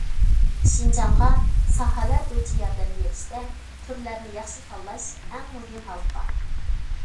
شىنجاڭغا ساھەلەر بويىچە ياردەم بېرىشتە، تۈرلەرنى ياخشى تاللاش ئەڭ مۇھىم ھالقا.